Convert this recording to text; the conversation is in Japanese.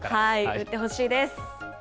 打ってほしいです。